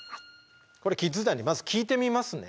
これキッズ団にまず聞いてみますね。